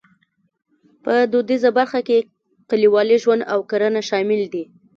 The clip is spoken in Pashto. په دودیزه برخه کې کلیوالي ژوند او کرنه شامل دي.